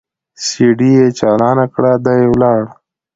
سي ډي يې چالانه کړه دى ولاړ.